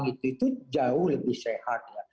itu jauh lebih sehat